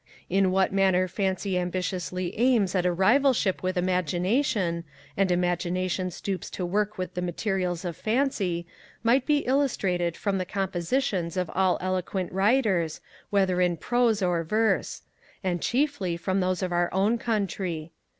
In what manner Fancy ambitiously aims at a rivalship with Imagination, and Imagination stoops to work with the materials of Fancy, might be illustrated from the compositions of all eloquent writers, whether in prose or verse; and chiefly from those of our own Country.